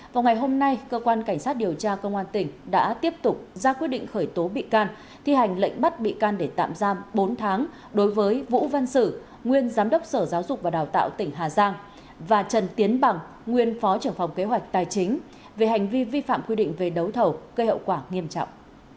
vào ngày hôm nay cơ quan cảnh sát điều tra công an tỉnh đã tiếp tục ra quyết định khởi tố bị can thi hành lệnh bắt bị can để tạm giam bốn tháng đối với vũ văn sử nguyên giám đốc sở giáo dục và đào tạo tỉnh hà giang và trần tiến bằng nguyên phó trưởng phòng kế hoạch tài chính về hành vi vi phạm quy định về đấu thầu gây hậu quả nghiêm trọng